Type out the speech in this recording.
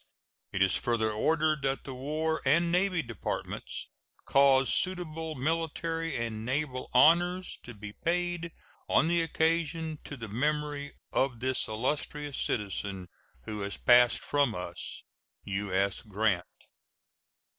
It is further ordered that the War and Navy Departments cause suitable military and naval honors to be paid on the occasion to the memory of this illustrious citizen who has passed from us. U.S. GRANT.